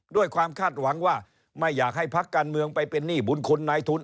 ด้วยความคาดหวังว่าไม่อยากให้พักการเมืองไปเป็นหนี้บุญคุณนายทุน